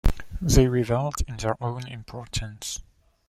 They revelled in their own importance.